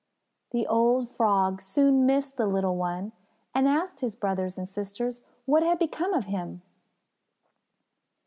The old Frog soon missed the little one and asked his brothers and sisters what had become of him.